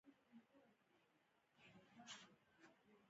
خو دغه پاڅون هم له ماتې سره مخ شو.